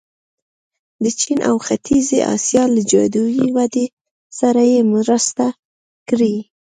د چین او ختیځې اسیا له جادويي ودې سره یې مرسته کړې.